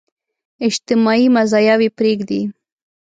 اجتماعي مزاياوې پرېږدي.